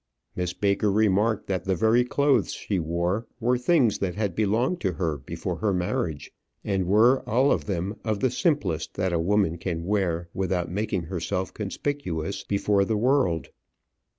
Miss Baker remarked that the very clothes she wore were things that had belonged to her before her marriage, and were all of them of the simplest that a woman can wear without making herself conspicuous before the world.